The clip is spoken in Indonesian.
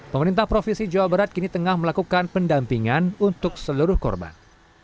pemerintah provinsi jawa barat kini tengah melakukan pendampingan untuk seluruh korban